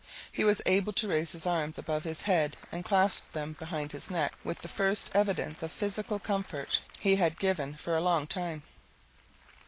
He was able to raise his arms above his head and clasp them behind his neck with the first evidence of physical comfort he had given for a long time.